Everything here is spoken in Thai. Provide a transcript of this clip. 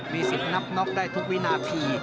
มีสิทธิ์นับน็อกได้ทุกวินาที